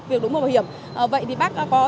trẻ con nó chủ yếu là nó là bắt chiếc